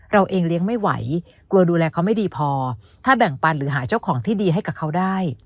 เราเองเลี้ยงไม่ไหวกลัวดูแลเขาไม่ดีพอถ้าแบ่งปันหรือหาเจ้าของที่ดีให้กับเขาได้